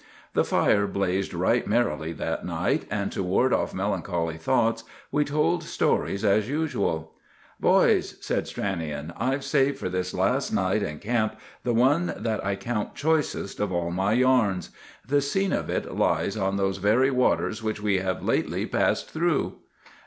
The fire blazed right merrily that night, and to ward off melancholy thoughts we told stories as usual. "Boys," said Stranion, "I've saved for this last night in camp the one that I count choicest of all my yarns. The scene of it lies on those very waters which we have lately passed through!"